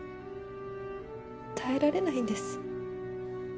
耐えられないんです